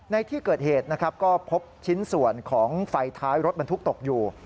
ในที่เกิดเหตุนะครับก็พบชิ้นส่วนของไฟท้ายรถบรรทุกตกอยู่